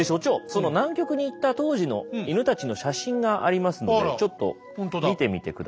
その南極に行った当時の犬たちの写真がありますのでちょっと見てみて下さい。